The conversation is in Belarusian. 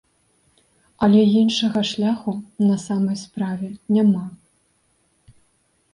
Але іншага шляху, на самай справе, няма.